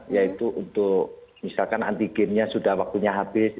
yaitu untuk misalkan antigennya sudah waktunya habis